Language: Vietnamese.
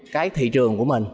cái thị trường của mình